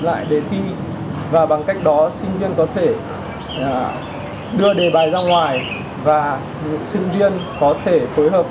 lại đề thi và bằng cách đó sinh viên có thể đưa đề bài ra ngoài và sinh viên có thể phối hợp